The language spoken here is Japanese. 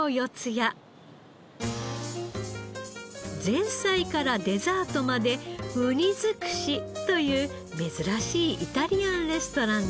前菜からデザートまでウニ尽くしという珍しいイタリアンレストランです。